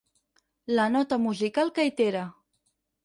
La nota musical que itera.